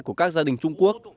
của các gia đình trung quốc